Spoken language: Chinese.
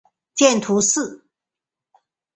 见图四。